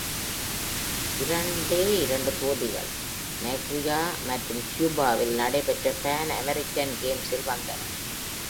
இரண்டே இரண்டு தோல்விகள் Nicaragua மற்றும் Cuba-வில் நடைபெற்ற Pan American Games-இல் வந்தன.